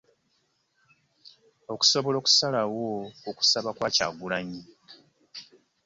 Okusobola okusalawo ku kusaba kwa Kyagulanyi